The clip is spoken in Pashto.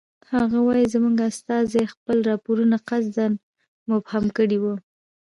هغه وایي زموږ استازي خپل راپورونه قصداً مبهم کړی وو.